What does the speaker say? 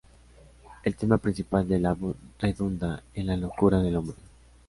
El tema principal del álbum redunda en la locura del hombre.